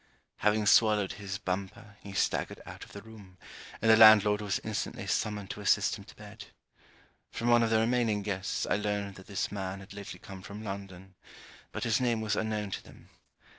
Having swallowed his bumper, he staggered out of the room, and the landlord was instantly summoned to assist him to bed. From one of the remaining guests, I learned that this man had lately come from London; but his name was unknown to them.